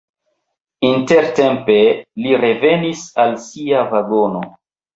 Intertempe li revenis al sia vagono.